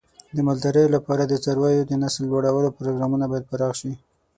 د مالدارۍ لپاره د څارویو د نسل لوړولو پروګرامونه باید پراخ شي.